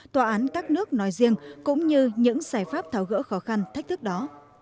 tòa án các nước nói riêng cũng như những giải pháp tháo gỡ khó khăn thách thức đó